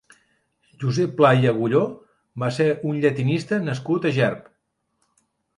Josep Pla i Agullló va ser un llatinista nascut a Gerb.